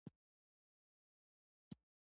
د کابل سیند د افغانستان د صنعت لپاره مواد برابروي.